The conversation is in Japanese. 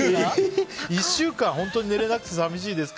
１週間、本当に寝れなくて寂しいです。